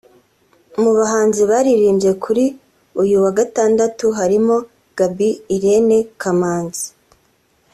Mu bahanzi baririmbye kuri uyu wa Gatandatu harimo; Gaby Irene Kamanzi